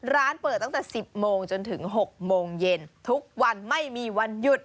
ร้านเปิดตั้งแต่๑๐โมงจนถึง๖โมงเย็นทุกวันไม่มีวันหยุด